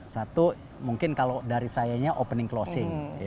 satu mungkin kalau dari sayanya opening closing